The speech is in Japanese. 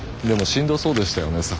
でもしんどそうでしたよね